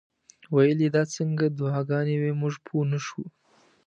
ویل یې دا څنګه دعاګانې وې موږ پوه نه شو.